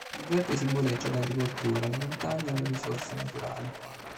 Il verde simboleggia l'agricoltura, le montagne e le risorse naturali.